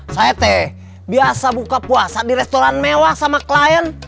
saya teh biasa buka puasa di restoran mewah sama klien